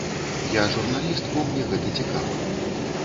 Я журналіст, бо мне гэта цікава.